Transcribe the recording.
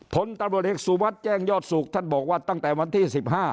ผลตำรวจเอกสุวัสดิ์แจ้งยอดสุขท่านบอกว่าตั้งแต่วันที่๑๕